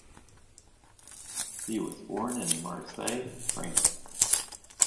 He was born in Marseille, France.